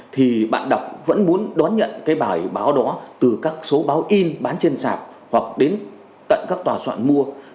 thì bạn đọc vẫn muốn đón nhận cái bài báo đó từ các số báo in bán trên sạp hoặc đến tận các tòa soạn mua